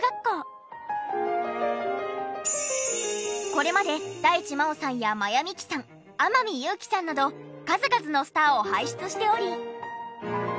これまで大地真央さんや真矢ミキさん天海祐希さんなど数々のスターを輩出しており。